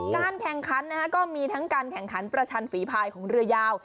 การแข่งขันก็มีทั้งการแข่งขันประชันฝีภายของเรือยาว